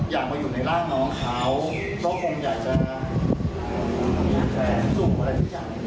อยากมาอยู่ในร่างน้องเขาเพราะคงอยากจะ